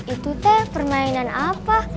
itu teh permainan apa